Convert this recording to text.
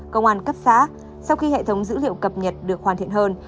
công an cấp xã sau khi hệ thống dữ liệu cập nhật được hoàn thiện hơn